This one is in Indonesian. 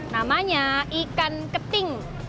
namanya ikan keting